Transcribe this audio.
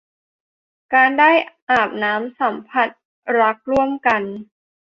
การได้อาบน้ำสัมผัสรักร่วมกัน